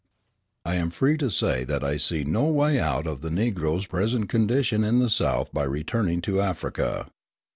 I am free to say that I see no way out of the Negro's present condition in the South by returning to Africa.